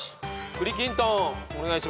栗金とんお願いします。